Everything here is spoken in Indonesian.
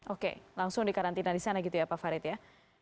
oke langsung dikarantina di sana gitu ya pak farid ya